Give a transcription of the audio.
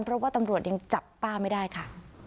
เพราะว่าตำรวจยังจับป้าไม่ได้ค่ะ